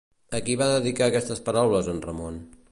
A qui va dedicar aquestes paraules en Ramon?